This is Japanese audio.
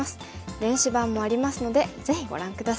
電子版もありますのでぜひご覧下さい。